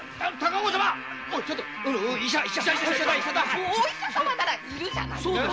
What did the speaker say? お医者様ならいるじゃない！